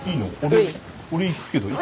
俺行くけどいい？